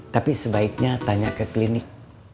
tapi sebaiknya tanya ke klinik